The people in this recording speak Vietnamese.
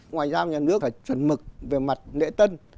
ngoại giao nhà nước phải chuẩn mực về mặt lễ tân